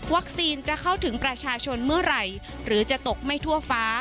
จะเข้าถึงประชาชนเมื่อไหร่หรือจะตกไม่ทั่วฟ้า